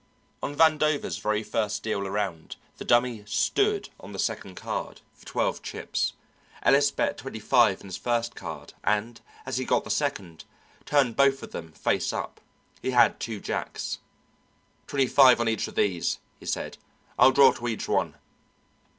On Vandover's very first deal around, the Dummy "stood" on the second card, for twelve chips; Ellis bet twenty five on his first card, and, as he got the second, turned both of them face up. He had two jacks. "Twenty five on each of these," he said. "I'll draw to each one."